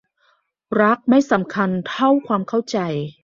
รักไม่สำคัญเท่าความเข้าใจ